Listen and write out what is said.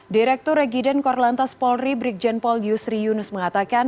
direktur regiden korlantas polri brigjen paul yusri yunus mengatakan